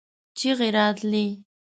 چيغې راتلې.